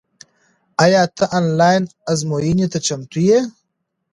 آیا ته آنلاین ازموینې ته چمتو یې؟